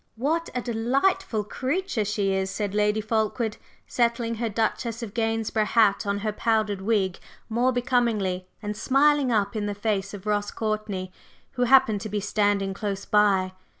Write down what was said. "What a delightful creature she is!" said Lady Fulkeward, settling her "Duchess of Gainsborough" hat on her powdered wig more becomingly and smiling up in the face of Ross Courtney, who happened to be standing close by.